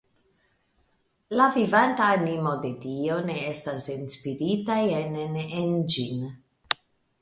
La vivanta animo de Dio ne estas enspirita enen en ĝin.